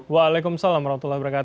waalaikumsalam wr wb